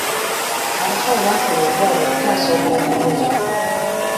Abasawo baakola ogwabwe okutaasa obulamu bwe.